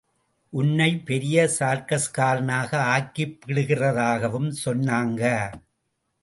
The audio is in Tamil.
உன்னை பெரிய சர்க்கஸ்காரனாக ஆக்கிப்பிடுகிறதாகவும் சொன்னாங்க.